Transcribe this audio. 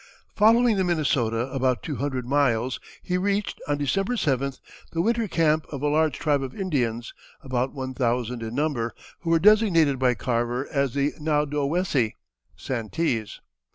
Following the Minnesota about two hundred miles he reached, on December 7th, the winter camp of a large tribe of Indians, about one thousand in number, who were designated by Carver as the Naudowessie (Santees).